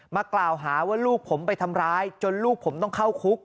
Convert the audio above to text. มากล่าวหาว่าลูกผมไปทำร้ายจนลูกผมต้องเข้าคุก